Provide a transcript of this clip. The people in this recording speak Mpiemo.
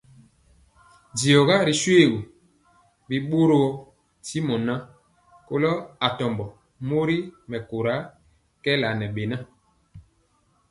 Diɔga ri shoégu, bi ɓorɔɔ ntimɔ ŋan, kɔlo atɔmbɔ mori mɛkóra kɛɛla ŋɛ beŋa.